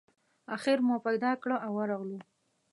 آخر مو پیدا کړ او ورغلو.